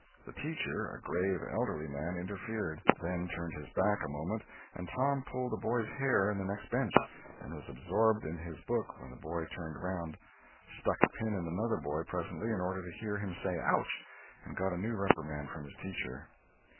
The teacher, a grave, elderly man, interfered; then turned his back a moment and Tom pulled a boy's hair in the next bench, and was absorbed in his book when the boy turned around; stuck a pin in another boy, presently, in order to hear him say "Ouch!" and got a new reprimand from his teacher.